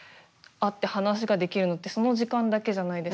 会って話ができるのってその時間だけじゃないですか。